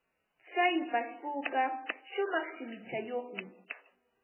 Tsay hipashpuka shumaq shimichayuqmi.